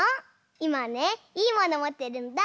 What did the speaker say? いまねいいものもってるんだ。